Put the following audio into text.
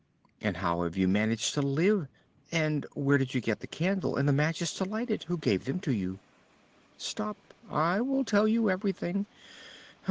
"And how have you managed to live? And where did you get the candle? And the matches to light it? Who gave them to you?" "Stop, and I will tell you everything.